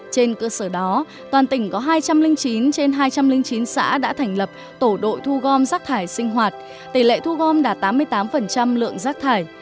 trên cơ sở đó toàn tỉnh có hai trăm linh chín trên hai trăm linh chín xã đã thành lập tổ đội thu gom rác thải sinh hoạt tỷ lệ thu gom đạt tám mươi tám lượng rác thải